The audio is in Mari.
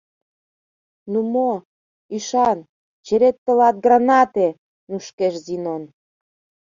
Ну мо, ӱшан, черет тылат, гранате!» Нушкеш Зинон.